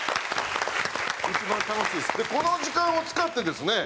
この時間を使ってですね